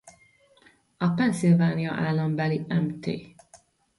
A Pennsylvania-állambeli Mt.